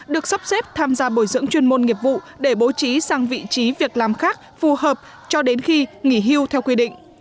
được sắp xếp tham gia bồi dưỡng chuyên môn nghiệp vụ để bố trí sang vị trí việc làm khác phù hợp cho đến khi nghỉ hưu theo quy định